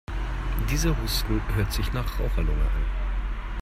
Dieser Husten hört sich nach Raucherlunge an.